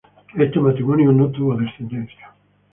Este matrimonio no tuvo descendencia.